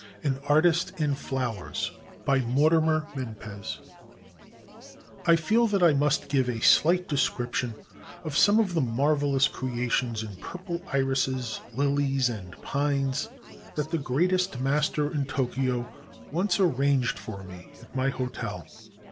AN ARTIST IN FLOWERS BY MORTIMER MENPES I FEEL that I must give a slight description of some of the marvelous creations in purple irises, lilies, and pines that the greatest master in Tokio once arranged for me at my hotel.